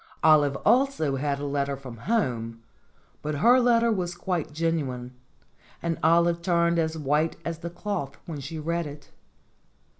Olive also had a letter from home, but her letter was quite genuine, and Olive turned as white as the cloth when she read it.